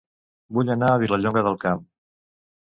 Vull anar a Vilallonga del Camp